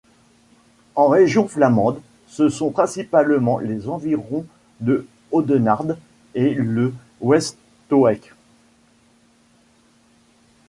En Région flamande, ce sont principalement les environs de Audenarde et le Westhoek.